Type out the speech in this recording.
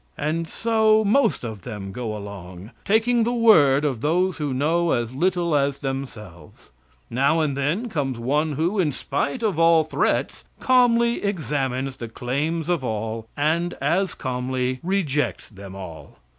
And so most of them go along, taking the word of those who know as little as themselves. Now and then comes one who, in spite of all threats, calmly examines the claims of all, and as calmly rejects them all.